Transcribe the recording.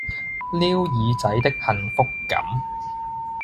撩耳仔的幸福感